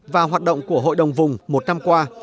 và hoạt động của hội đồng vùng một năm qua